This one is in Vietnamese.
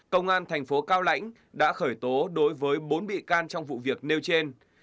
công an thành phố cao lãnh đã khởi tố đối với bốn bị can trong vụ việc nêu trên